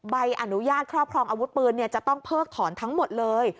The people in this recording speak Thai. ใบอนุญาตครอบครองอาวุธปืนจะต้องเพิกถอนทั้งหมดเลย